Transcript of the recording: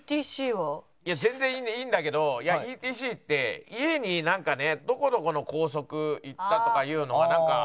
いや全然いいんだけどＥＴＣって家になんかねどこどこの高速行ったとかいうのがなんか。